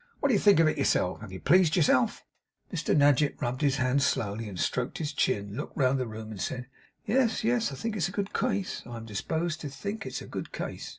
'What do you think of it yourself? Have you pleased yourself?' Mr Nadgett rubbed his hands slowly, stroked his chin, looked round the room, and said, 'Yes, yes, I think it's a good case. I am disposed to think it's a good case.